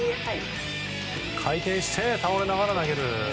回転して倒れながら投げる。